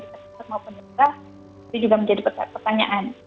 ini juga menjadi pertanyaan